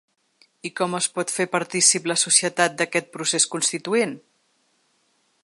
I com es pot fer partícip la societat d’aquest procés constituent?